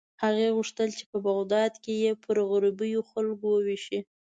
هغې غوښتل چې په بغداد کې یې پر غریبو خلکو ووېشي.